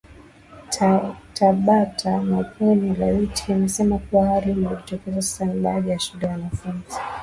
tabata Magengeni na Liwiti wamesema kuwa hali inayojitokeza sasa ya baadhi ya shule wanafunzi